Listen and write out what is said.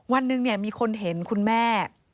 วันนึงเนี่ยมีคนเห็นคุณแม่